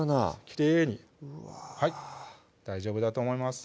きれいに大丈夫だと思います